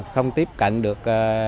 không tiếp cận được